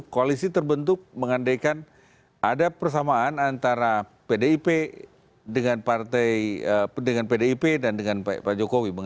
koalisi terbentuk mengandaikan ada persamaan antara pdip dengan partai dengan pdip dan dengan pak jokowi